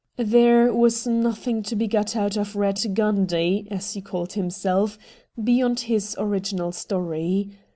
There was nothing to be got out of Eatt Gundy — as he called himself — beyond his original story.